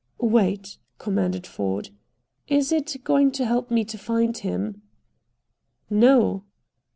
"Wait," commanded Ford. "Is it going to help me to find him?" "No."